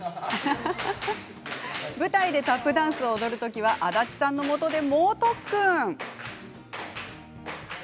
舞台でタップダンスを踊る時は安達さんのもとで猛特訓。